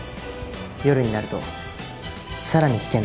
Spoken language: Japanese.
夜になるとさらに危険な場所になる。